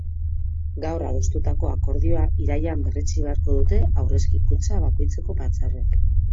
Gaur adostutako akordioa irailean berretsi beharko dute aurrezki-kutxa bakoitzeko batzarrek.